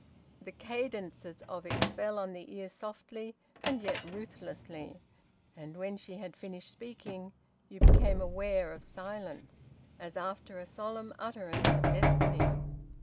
The cadences of it fell on the ear softly and yet ruthlessly, and when she had finished speaking you became aware of silence, as after a solemn utterance of destiny.